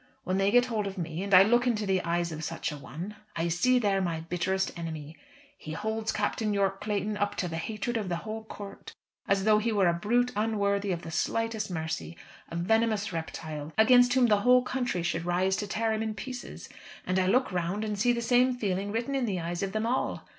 When they get hold of me, and I look into the eyes of such a one, I see there my bitterest enemy. He holds Captain Yorke Clayton up to the hatred of the whole court, as though he were a brute unworthy of the slightest mercy, a venomous reptile, against whom the whole country should rise to tear him in pieces. And I look round and see the same feeling written in the eyes of them all.